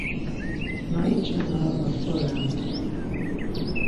Na iç̌ven araba so ren?